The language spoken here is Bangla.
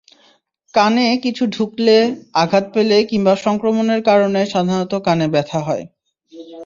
কানে কিছু ঢুকলে, আঘাত পেলে কিংবা সংক্রমণের কারণে সাধারণত কানে ব্যথা হয়।